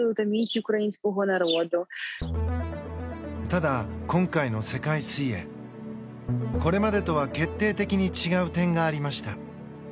ただ、今回の世界水泳これまでとは決定的に違う点がありました。